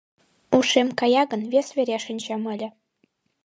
— Ушем кая гын, вес вере шинчем ыле.